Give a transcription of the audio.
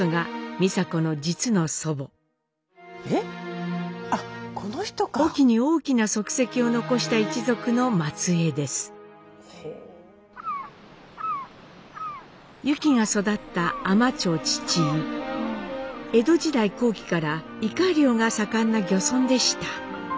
江戸時代後期からイカ漁が盛んな漁村でした。